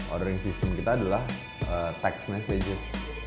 ordering system kita adalah text messages